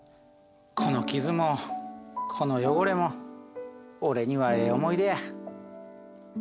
この傷もこの汚れも俺にはええ思い出や。